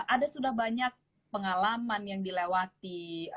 ada sudah banyak pengalaman yang dilewati